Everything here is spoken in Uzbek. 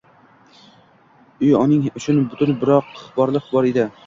Uyi uning uchun butun bir borliq edi